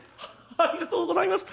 ありがとうございます。